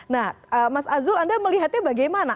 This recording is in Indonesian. nah mas azul anda melihatnya bagaimana